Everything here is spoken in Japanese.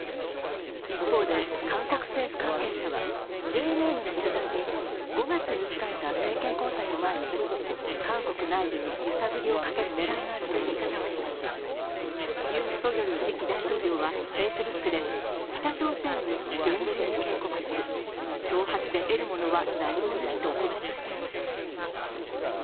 一方で、韓国政府関係者はＪＮＮの取材に５月に控えた政権交代を前に、韓国内部に揺さぶりをかける狙いがあるとの見方を示しユン・ソギョル次期大統領はＦａｃｅｂｏｏｋで北朝鮮に厳重に警告する、挑発で得るものは何もないとコメントしています。